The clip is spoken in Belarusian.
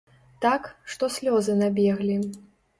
Так, што слёзы набеглі.